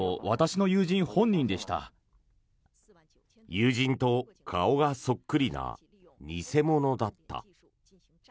友人と顔がそっくりな偽者だった。